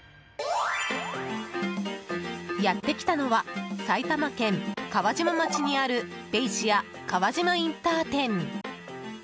やってきたのは埼玉県川島町にあるベイシア川島インター店。